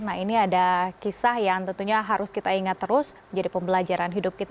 nah ini ada kisah yang tentunya harus kita ingat terus menjadi pembelajaran hidup kita